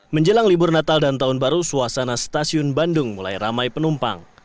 menjelang libur natal dan tahun baru suasana stasiun bandung mulai ramai penumpang